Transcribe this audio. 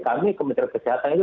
kami kementerian kesehatan itu